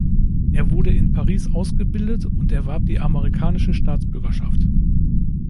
Er wurde in Paris ausgebildet und erwarb die amerikanische Staatsbürgerschaft.